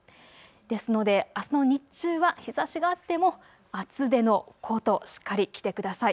ですのであすの日中は日ざしがあっても厚手のコート、しっかり着てください。